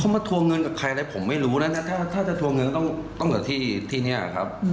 เขามาทัวร์เงินกับใครผมไม่รู้นะถ้าจะทัวร์เงินต้องกับที่นี้ครับ